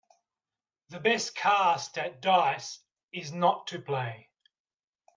The best cast at dice is not to play.